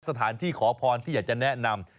สถานที่ขอพรที่อยากจะแนะนำ